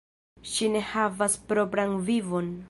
Ŝi ne havas propran vivon.